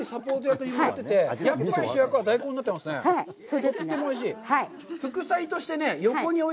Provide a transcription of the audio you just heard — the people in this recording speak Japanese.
とてもおいしい。